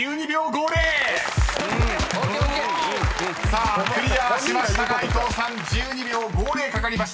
［さあクリアしましたが伊藤さん１２秒５０かかりました］